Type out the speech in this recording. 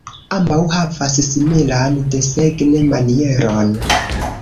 Ambaŭ havas similan desegn-manieron.